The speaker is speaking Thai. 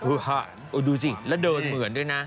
โอ้โหดูสิแล้วเดินเหมือนด้วยนะ